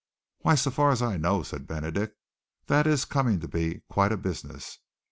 "Why so far as I know," said Benedict, "that is coming to be quite a business.